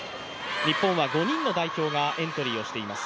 日本は５人の代表がエントリーをしています。